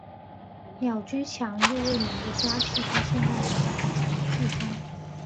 鸟居强右卫门的家系到现在仍然存续中。